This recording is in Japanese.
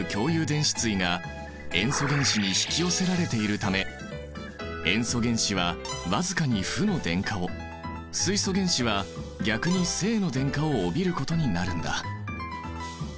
電子対が塩素原子に引き寄せられているため塩素原子はわずかに負の電荷を水素原子は逆に正の電荷を帯びることになるんだ。